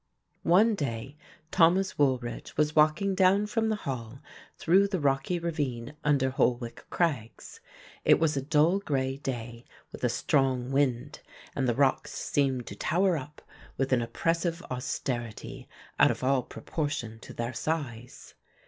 One day Thomas Woolridge was walking down from the Hall through the rocky ravine under Holwick Crags. It was a dull grey day with a strong wind, and the rocks seemed to tower up with an oppressive austerity out of all proportion to their size.